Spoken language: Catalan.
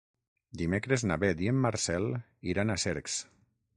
Dimecres na Beth i en Marcel iran a Cercs.